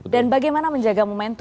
dan bagaimana menjaga momentum